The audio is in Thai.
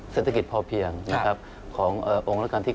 เศรษฐกิจพอเพียงขององค์และการที่๙